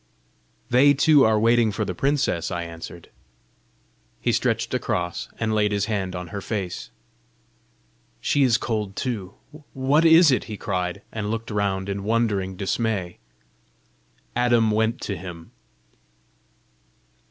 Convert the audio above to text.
"They too are waiting for the princess," I answered. He stretched across, and laid his hand on her face. "She is cold too! What is it?" he cried and looked round in wondering dismay. Adam went to him.